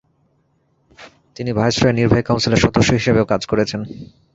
তিনি ভাইসরয়ের নির্বাহী কাউন্সিল সদস্য হিসেবেও কাজ করেছেন।